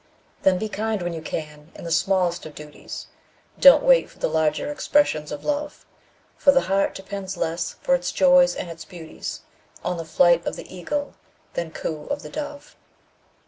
Then be kind when you can in the smallest of duties, Don't wait for the larger expressions of Love; For the heart depends less for its joys and its beauties On the flight of the Eagle than coo of the Dove.